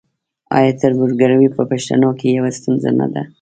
آیا تربورګلوي په پښتنو کې یوه ستونزه نه ده؟